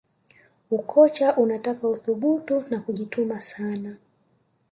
ukocha unataka uthubutu na kujituma sana